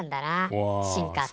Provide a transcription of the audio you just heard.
進化って。